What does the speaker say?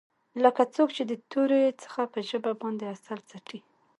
لکه څوک چې د تورې څخه په ژبه باندې عسل څټي.